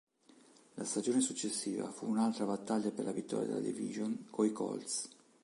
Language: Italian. La stagione successiva fu un'altra battaglia per la vittoria della division coi Colts.